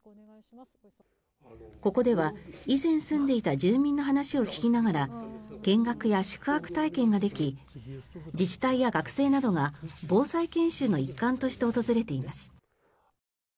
ここでは以前住んでいた住民の話を聞きながら見学や宿泊体験ができ自治体や学生などが防災研修の一環として訪れています。